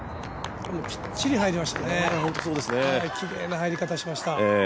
きっちり入りましたね、きれいな入り方しました。